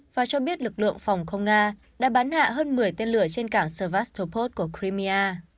và cho biết lực lượng phòng không nga đã bắn hạ hơn một mươi tên lửa trên cảng survastopot của krimia